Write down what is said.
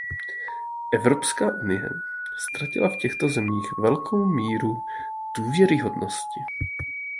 Evropská unie ztratila v těchto zemích velkou míru důvěryhodnosti.